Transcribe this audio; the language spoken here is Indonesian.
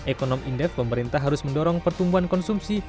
ekonom indef pemerintah harus mendorong pertumbuhan konsumsi